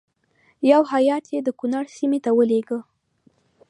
یو هیات یې د کنړ سیمې ته ولېږه.